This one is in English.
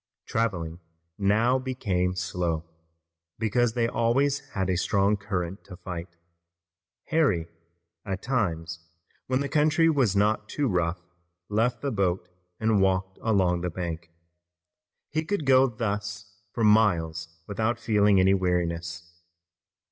Traveling now became slow, because they always had a strong current to fight. Harry, at times when the country was not too rough, left the boat and walked along the bank. He could go thus for miles without feeling any weariness.